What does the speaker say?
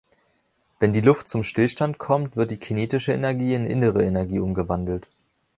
Wenn die Luft zum Stillstand kommt, wird die kinetische Energie in innere Energie umgewandelt.